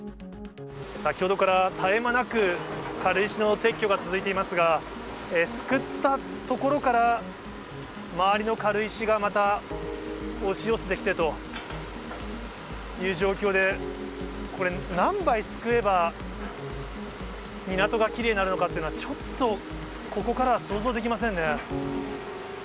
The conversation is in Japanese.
先ほどから絶え間なく、軽石の撤去が続いていますが、すくったところから、周りの軽石がまた押し寄せてきてという状況で、これ、何杯すくえば、港がきれいになるのかっていうのは、ちょっとここからは想像できませんね。